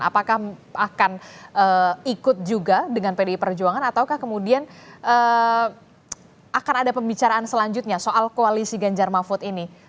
apakah akan ikut juga dengan pdi perjuangan ataukah kemudian akan ada pembicaraan selanjutnya soal koalisi ganjar mahfud ini